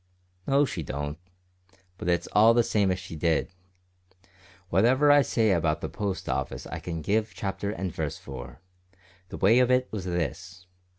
"No, she don't, but it's all the same if she did. Whatever I say about the Post Office I can give chapter and verse for. The way of it was this.